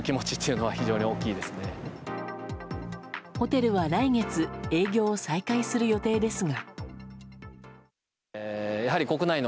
ホテルは来月営業を再開する予定ですが。